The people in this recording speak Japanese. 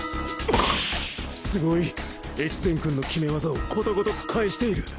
すごい越前くんの決め技をことごとく返している！